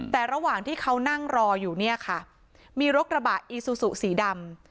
แต่ระหว่างที่เขานั่งรออยู่เนี่ยค่ะมีรถกระบะอีซูซูสีดำ